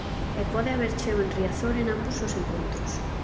E pode haber cheo en Riazor en ambos os encontros.